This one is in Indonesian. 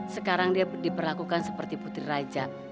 sekarang dia diperlakukan seperti putri raja